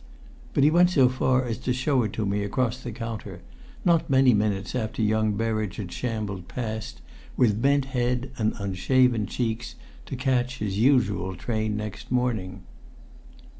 But he went so far as to show it to me across my counter, not many minutes after young Berridge had shambled past, with bent head and unshaven cheeks, to catch his usual train next morning.